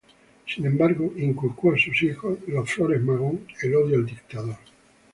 Sin embargo, inculcó a sus hijos, los Flores Magón, el odio al dictador.